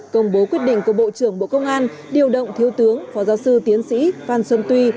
công bố quyết định của bộ trưởng bộ công an điều động thiếu tướng phó giáo sư tiến sĩ phan xuân tuy